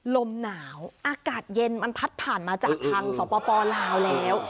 ลมหนาวอากาศเย็นมันพัดผ่านมาจากทางสปลาวแล้ว